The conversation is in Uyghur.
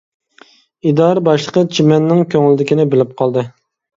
ئىدارە باشلىقى چىمەننىڭ كۆڭلىدىكىنى بىلىپ قالدى.